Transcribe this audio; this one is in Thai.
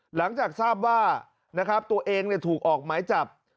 หลังจากทราบว่าตัวเองถูกออกไม้จับ